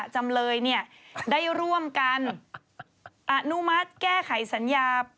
จำเลยได้ร่วมกันอนุมัติแก้ไขสัญญา